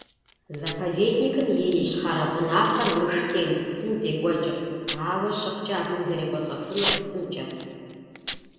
Заповедникым и ищхъэрэ гъунапкъэр Уруштен псым декӀуэкӀырт, ауэ щыхъукӀэ абы узэрекӀуэлӀэфынур псымкӀэт.